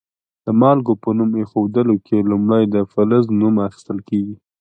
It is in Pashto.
د مالګو په نوم ایښودلو کې لومړی د فلز نوم اخیستل کیږي.